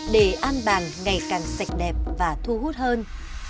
để an bàng ngày càng sạch đẹp và thu hút hơn